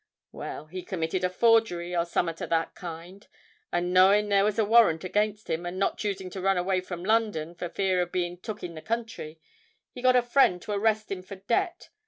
Well—he committed a forgery, or summut of that kind; and, knowing there was a warrant against him, and not choosing to run away from London for fear of being took in the country, he got a friend to arrest him for debt.